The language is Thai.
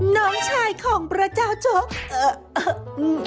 น้องชายของพระเจ้าโจ๊กเออ